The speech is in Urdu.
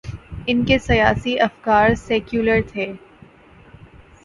ان کے سیاسی افکار سیکولر تھے۔